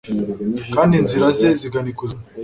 Kandi inzira ze zigana ikuzimu